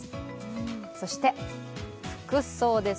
そして、服装です。